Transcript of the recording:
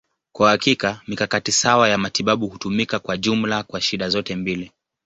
Kwa hakika, mikakati sawa ya matibabu hutumika kwa jumla kwa shida zote mbili.